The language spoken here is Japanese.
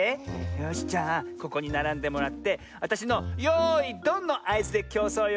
よしじゃあここにならんでもらってわたしのよいドンのあいずできょうそうよ。